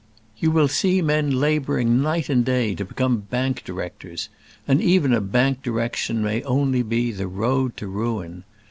You will see men labouring night and day to become bank directors; and even a bank direction may only be the road to ruin.